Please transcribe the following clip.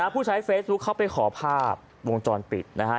ผู้ใช้เฟซบุ๊คเขาไปขอภาพวงจรปิดนะฮะ